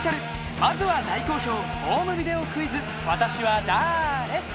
まずは大好評、ホームビデオクイズ、私はだーれ？